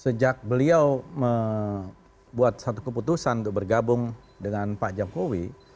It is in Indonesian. sejak beliau membuat satu keputusan untuk bergabung dengan pak jokowi